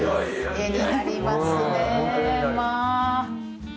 絵になりますねまあ。